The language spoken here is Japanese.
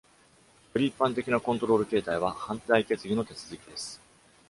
より一般的なコントロール形態は、反対決議の手続きです。